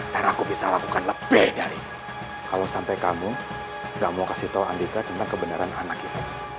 dan aku bisa lakukan lebih dari itu kalau sampai kamu gak mau kasih tau andika tentang kebenaran anak kita